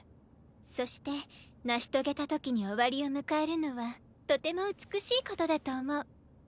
そして成し遂げた時に終わりを迎えるのはとても美しい事だと思う。